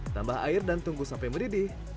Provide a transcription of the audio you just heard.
tambah air dan tunggu sampai mendidih